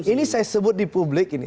ini saya sebut di publik ini